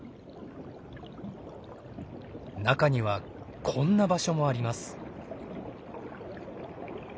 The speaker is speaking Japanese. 中にはこんな場所もあります。